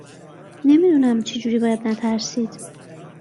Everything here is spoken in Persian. نمیدونم چه جوری باید نترسید